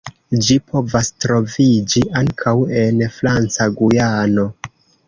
Ĝi povas troviĝi ankaŭ en Franca Gujano.